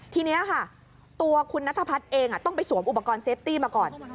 ทีนี้ค่ะตัวคุณนัทพัฒน์เองต้องไปสวมอุปกรณ์เซฟตี้มาก่อน